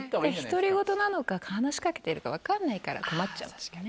独り言なのか話しかけてるか分かんないから困っちゃうんですかね。